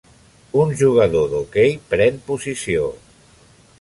Un jugador d'hoquei pren posició